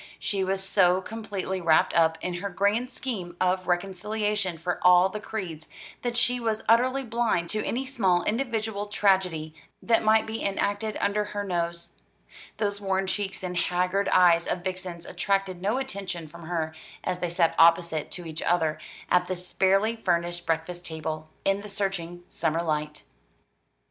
She was so completely wrapped up in her grand scheme of reconciliation for all the creeds, that she was utterly blind to any small individual tragedy that might be enacted under her nose. Those worn cheeks and haggard eyes of Vixen's attracted no attention from her as they sat opposite to each other at the sparely furnished breakfast table, in the searching summer light.